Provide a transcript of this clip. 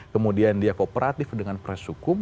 kemudian dia kooperatif dengan proses hukum